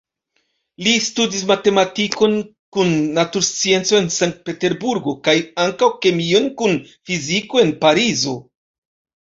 Li studis matematikon kun naturscienco en Sankt-Peterburgo, kaj ankaŭ kemion kun fiziko en Parizo.